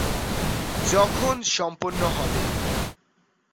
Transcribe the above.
ইতিহাসের শিক্ষায়তনিক অনুশাসন হল সাংস্কৃতিক পরিবর্তনের ঘটনা।